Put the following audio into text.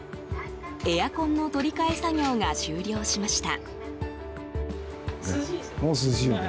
エアコンの取り替え作業が終了しました。